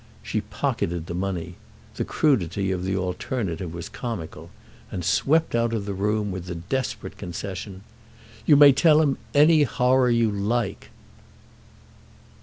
She pocketed the money—the crudity of the alternative was comical—and swept out of the room with the desperate concession: "You may tell him any horror you like!"